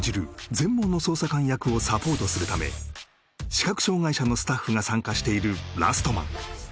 全盲の捜査官役をサポートするため視覚障害者のスタッフが参加している「ラストマン」